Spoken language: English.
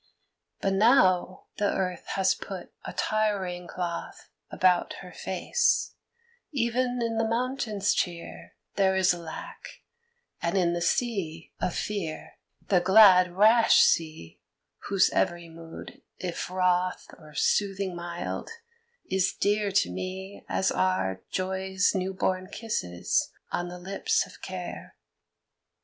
But now the earth has put a tiring cloth About her face; even in the mountains' cheer There is a lack, and in the sea a fear, The glad, rash sea, whose every mood, if wroth Or soothing mild, is dear to me as are Joy's new born kisses on the lips of Care.